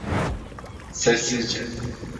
Sessizce.